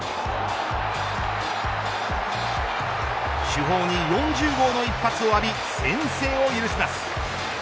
主砲に４０号の一発を浴び先制を許します。